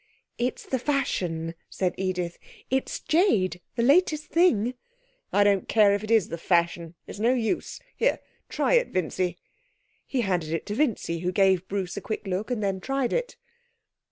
'It's the fashion,' said Edith. 'It's jade the latest thing.' 'I don't care if it is the fashion. It's no use. Here, try it, Vincy.' He handed it to Vincy, who gave Bruce a quick look, and then tried it.